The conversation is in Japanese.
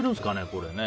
これね。